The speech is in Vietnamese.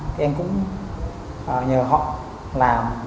thì em cũng nhờ họ làm